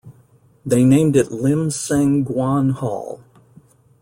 They named it Lim Seng Guan Hall.